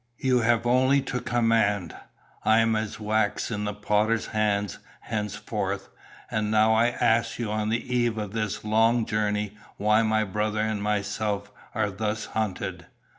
"You have only to command. I am as wax in the potter's hand henceforth. And now I ask you on the eve of this long journey why my brother and myself are thus hunted.